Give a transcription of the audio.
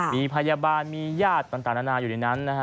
มีพยาบาลมีญาติต่างนานาอยู่ในนั้นนะฮะ